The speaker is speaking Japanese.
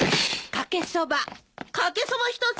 かけそば１つ！